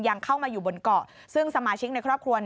ยังเข้ามาอยู่บนเกาะซึ่งสมาชิกในครอบครัว